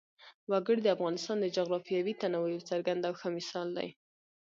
وګړي د افغانستان د جغرافیوي تنوع یو څرګند او ښه مثال دی.